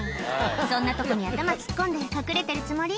そんなとこに頭突っ込んで隠れてるつもり？